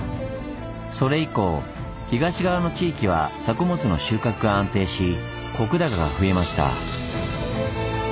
それ以降東側の地域は作物の収穫が安定し石高が増えました。